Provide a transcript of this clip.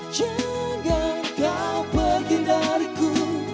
jangan kau pergi dariku